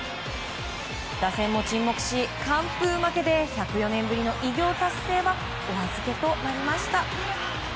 打線も沈黙し、完封負けで１０４年ぶりの偉業達成はお預けとなりました。